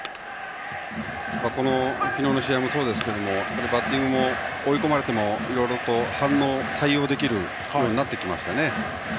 昨日の試合もそうですがバッティングも追い込まれてもいろいろと反応対応できるようになってきました。